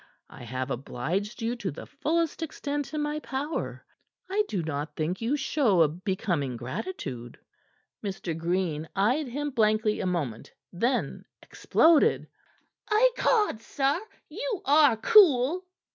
I have obliged you to the fullest extent in my power. I do not think you show a becoming gratitude." Mr. Green eyed him blankly a moment; then exploded. "Ecod, sir! You are cool."